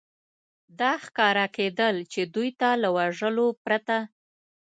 دا ښکاره کېدل، چې دوی ته له وژلو پرته.